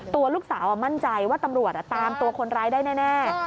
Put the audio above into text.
ตัวลูกสาวมั่นใจว่าตำรวจตามตัวคนร้ายได้แน่